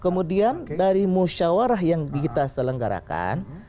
kemudian dari musyawarah yang kita selenggarakan